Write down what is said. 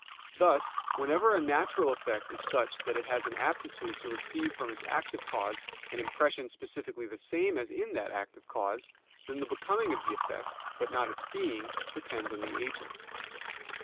Thus whenever a natural effect is such that it has an aptitude to receive from its active cause an impression specifically the same as in that active cause, then the becoming of the effect, but not its being, depends on the agent.